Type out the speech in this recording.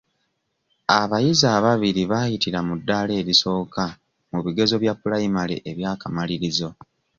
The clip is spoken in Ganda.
Abayizi ababiri baayitira mu ddaala erisooka mu bigezo bya pulayimale eby'akamalirizo.